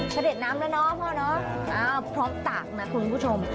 กระเด็นน้ำแล้วนะพ่อพร้อมตากคุณผู้ชม